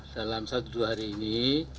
dalam satu dua hari ini